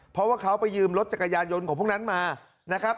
เพราะว่าเขาไปยืมรถจักรยานยนต์ของพวกนั้นมานะครับ